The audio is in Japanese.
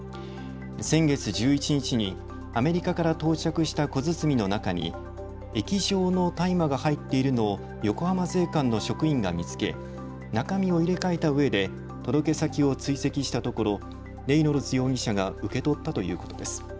先月１１日にアメリカから到着した小包の中に液状の大麻が入っているのを横浜税関の職員が見つけ中身を入れ替えたうえで届け先を追跡したところレイノルズ容疑者が受け取ったということです。